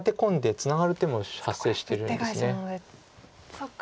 そっか。